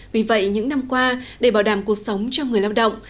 vì vậy những năm qua để bảo đảm cuộc sống cho người lao động